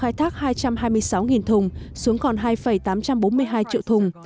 ả rập thống nhất uae giảm sản lượng khai thác hai trăm hai mươi sáu thùng xuống còn hai tám trăm bốn mươi hai triệu thùng